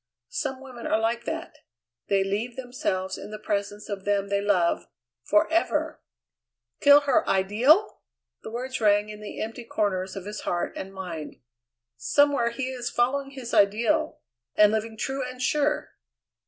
Some women are like that: they leave themselves in the presence of them they love forever! "Kill her ideal!" The words rang in the empty corners of his heart and mind. "Somewhere he is following his ideal, and living true and sure!"